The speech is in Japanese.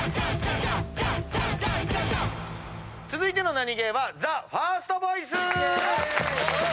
続いてのナニゲーはＴＨＥＦＩＲＳＴＶＯＩＣＥ！